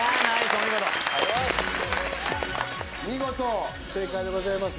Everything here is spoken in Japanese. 見事正解でございます